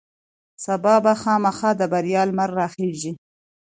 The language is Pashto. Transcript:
سبا به خامخا د بریا لمر راخیژي.